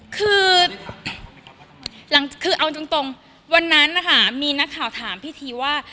คือเอาจริงวันนั้นนะคะมีนักข่าวถามพี่ทีว่า